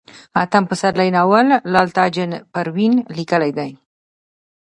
اتم پسرلی ناول لال تاجه پروين ليکلئ دی